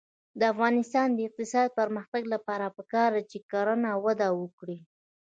د افغانستان د اقتصادي پرمختګ لپاره پکار ده چې کرنه وده وکړي.